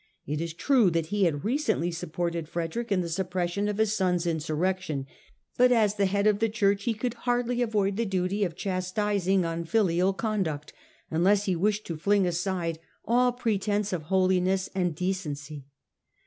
It is true that he had recently supported Frederick in the suppression of his son's insurrection, but as the Head of the Church he could hardly avoid the duty of chastising unfilial conduct, unless he wished to fling aside all pretence of holiness and decency.